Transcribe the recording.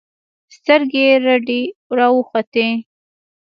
سترګې يې رډې راوختې.